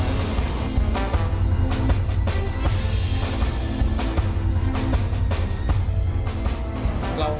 คำตอบทำการจัดการชีวิต